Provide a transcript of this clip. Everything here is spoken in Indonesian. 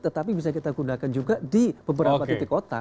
tetapi bisa kita gunakan juga di beberapa titik kota